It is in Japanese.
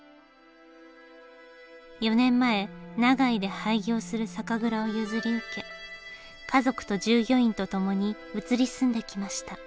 ４年前長井で廃業する酒蔵を譲り受け家族と従業員とともに移り住んできました。